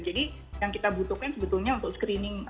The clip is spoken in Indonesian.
jadi yang kita butuhkan sebetulnya untuk screening